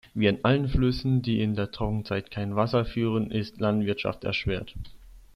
Wie an allen Flüssen, die in der Trockenzeit kein Wasser führen, ist Landwirtschaft erschwert.